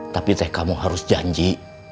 tapi teh kamu harus janji